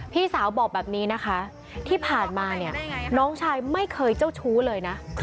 พี่สาวบอกแบบนี้นะคะที่ผ่านมาเนี่ยน้องชายไม่เคยเจ้าชู้เลยนะ